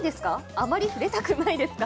あまり触れたくないですか？